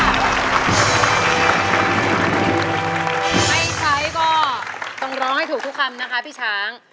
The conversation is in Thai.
ไม่ใช้ก็ต้องร้องให้ถูกทุกคำนะคะพี่ช้าง